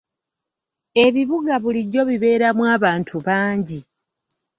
Ebibuga bulijjo bibeeramu abantu bangi.